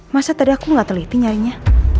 masa tadi aku gak teliti nyarinya